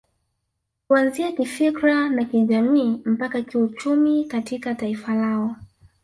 Kuanzia kifikra na kijamii mpaka kiuchumi katika taifa lao